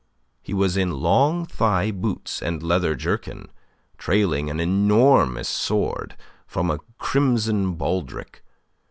He was in long thigh boots and leather jerkin, trailing an enormous sword from a crimson baldrick.